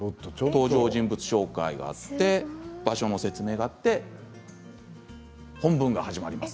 登場人物紹介があって場所の説明があって本文が始まります。